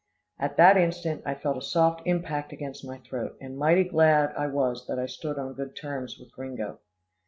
At that instant, I felt a soft impact against my throat, and mighty glad I was that I stood on good terms with Gringo.